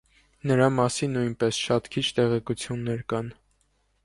Նրա մասին նույնպես շատ քիչ տեղեկություններ կան։